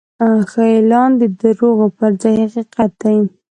ښه اعلان د دروغو پر ځای حقیقت ښيي.